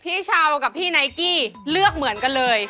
พี่ชาวกับพี่ไนกี้เลือกเหมือนกันเลย